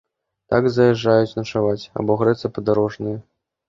Так заязджаюць начаваць або грэцца падарожныя.